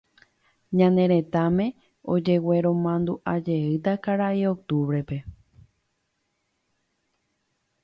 ñane retãme ojegueromandu'ajeýta Karai Octubre-pe